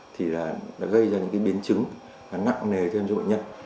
thì là gây ra những biến chứng nặng nề thêm cho bệnh nhân